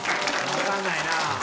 わかんないなぁ。